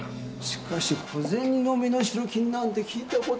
しかし小銭の身代金なんて聞いたことないなぁ。